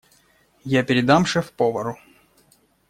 Я передам шеф-повару.